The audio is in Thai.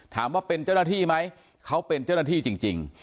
ถามว่าเป็นเจ้าหน้าที่ไหมเขาเป็นเจ้าหน้าที่จริง